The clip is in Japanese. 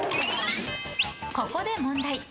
ここで問題。